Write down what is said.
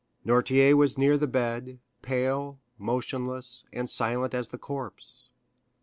Noirtier was near the bed, pale, motionless, and silent as the corpse.